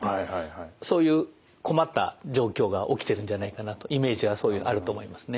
そういう困った状況が起きてるんじゃないかなとイメージはあると思いますね。